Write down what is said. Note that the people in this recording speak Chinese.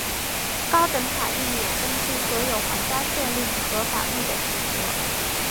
高等法院有登记所有皇家敕令和法律的职责。